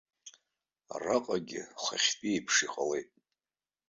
Араҟагьы хыхьтәи еиԥш иҟалеит.